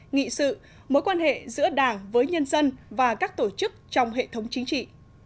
nghị sự mối quan hệ giữa đảng với nhân dân và các tổ chức trong hệ thống chính trị